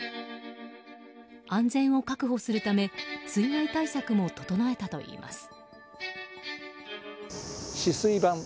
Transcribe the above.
安全を確保するため水害対策も整えたといいます。